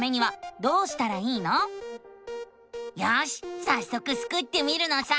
よしさっそくスクってみるのさ！